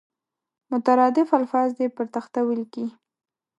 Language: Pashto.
مترادف الفاظ دې پر تخته ولیکي.